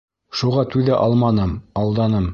Шуға түҙә алманым, алданым...